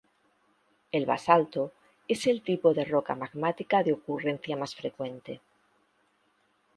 El basalto es el tipo de roca magmática de ocurrencia más frecuente.